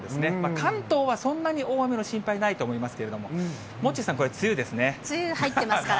関東はそんなに大雨の心配ないと思いますけれども、モッチーさん、これ、梅雨ですね。